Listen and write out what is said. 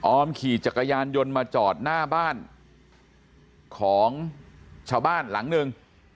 ขี่จักรยานยนต์มาจอดหน้าบ้านของชาวบ้านหลังหนึ่ง